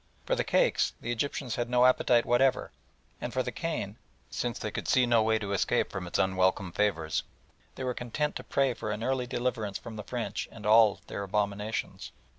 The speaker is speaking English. For the cakes the Egyptians had no appetite whatever, and for the cane, since they could see no way to escape from its unwelcome favours, they were content to pray for an early deliverance from the French and all their abominations.